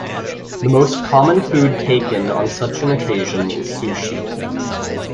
The most common food taken on such an occasion is sushi.